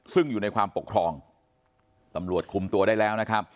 ซึ่งอยู่ในความปกครองตำรวจคุมตัวได้แล้วนะครับ